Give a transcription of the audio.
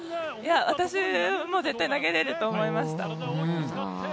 私も絶対投げれると思いました。